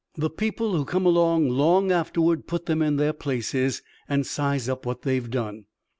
The people who come along long afterward put them in their places and size up what they have done."